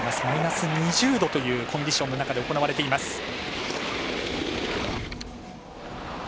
マイナス２０度というコンディションの中で行われています。